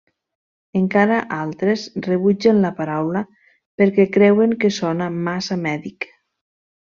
Encara altres rebutgen la paraula perquè creuen que sona massa mèdic.